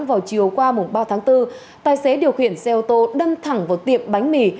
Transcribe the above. vào chiều qua ba tháng bốn tài xế điều khiển xe ô tô đâm thẳng vào tiệm bánh mì